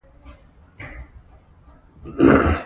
په افغانستان کې د تاریخ منابع شته.